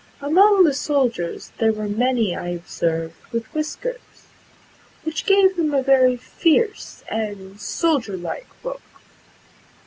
Among the soldiers there were many I observed with whiskers, which gave them a very fierce and soldier like look.